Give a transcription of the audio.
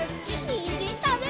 にんじんたべるよ！